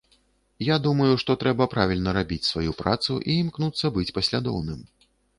Я думаю, што трэба правільна рабіць сваю працу і імкнуцца быць паслядоўным.